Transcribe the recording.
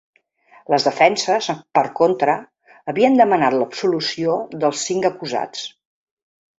Les defenses, per contra, havien demanat l’absolució dels cinc acusats.